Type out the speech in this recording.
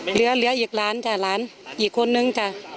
เหลืออีกหลานอีกคนนึง